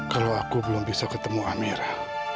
kalau aku belum bisa ketemu amera